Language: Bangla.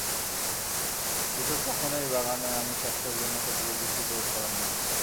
কৃষক কখনোই বাগানের আমে স্বাস্থ্যের জন্য ক্ষতিকর কিছু প্রয়োগ করেন না।